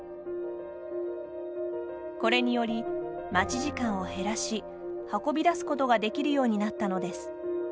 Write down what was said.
これにより待ち時間を減らし運び出すことができるようになったのです。